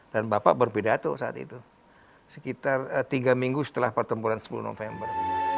dan bapak berpidato saat itu sekitar tiga minggu setelah pertempuran sepuluh november